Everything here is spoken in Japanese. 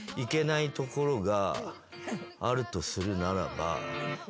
あるとするならば。